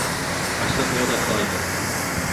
明日友達と会います